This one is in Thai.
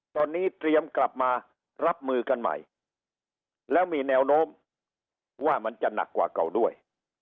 ตอนนี้เตรียมกลับมารับมือกันใหม่แล้วมีแนวโน้มว่ามันจะหนักกว่าเก่าด้วย